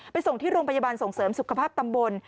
ส่งที่โรงพยาบาลส่งเสริมสุขภาพตำบล